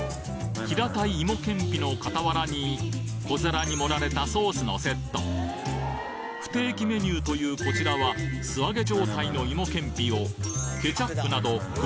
平たい芋けんぴのかたわらに小皿に盛られたソースのセット不定期メニューというこちらは素揚げ状態の芋けんぴをケチャップなど５種類のソースにディップ